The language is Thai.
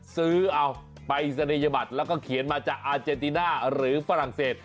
ซื้อเอาไปศนียบัตรแล้วก็เขียนมาจากอาเจนติน่าหรือฝรั่งเศส